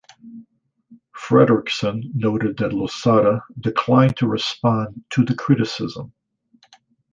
Fredrickson noted that Losada declined to respond to the criticism.